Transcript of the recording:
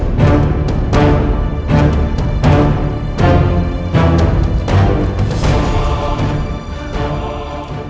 tindakan terima nih